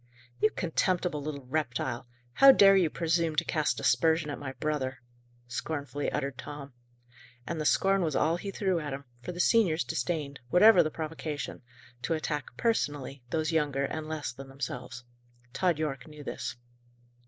"You contemptible little reptile! How dare you presume to cast aspersion at my brother?" scornfully uttered Tom. And the scorn was all he threw at him; for the seniors disdained, whatever the provocation, to attack personally those younger and less than themselves. Tod Yorke knew this.